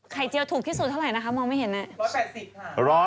เจียวถูกที่สุดเท่าไหร่นะคะมองไม่เห็นน่ะ